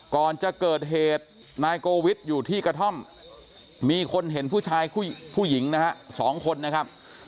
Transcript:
ก่อนจะเกิดเหตุนายโกวิทย์อยู่ที่กระท่อมมีคนเห็นผู้ชายผู้หญิงนะฮะ๒คนนะครับ